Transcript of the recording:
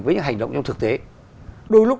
với những hành động trong thực tế đôi lúc